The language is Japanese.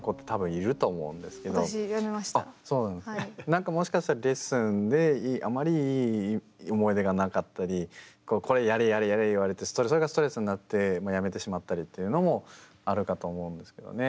なんかもしかしたらレッスンであまりいい思い出がなかったりこれやれやれやれ言われてそれがストレスになってやめてしまったりっていうのもあるかと思うんですけどね。